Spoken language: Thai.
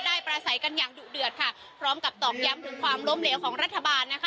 ประสัยกันอย่างดุเดือดค่ะพร้อมกับตอกย้ำถึงความล้มเหลวของรัฐบาลนะคะ